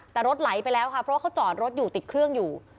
แต่รถไหลไปแล้วค่ะเพราะว่าเขาจอดรถอยู่ติดเครื่องอยู่